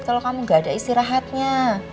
kalau kamu gak ada istirahatnya